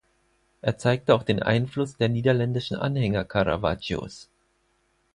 Er zeigte auch den Einfluss der niederländischen Anhänger Caravaggios.